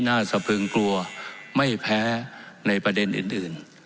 สะพึงกลัวไม่แพ้ในประเด็นอื่น